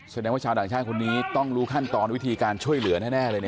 แสดงว่าชาวต่างชาติคนนี้ต้องรู้ขั้นตอนวิธีการช่วยเหลือแน่เลย